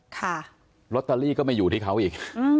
ค่ะลอตเตอรี่ก็ไม่อยู่ที่เขาอีก